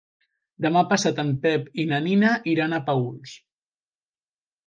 Demà passat en Pep i na Nina iran a Paüls.